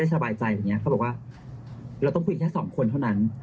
ได้สบายใจของเนี้ยเขาบอกว่าเราต้องคุยแค่๒คนเท่านั้น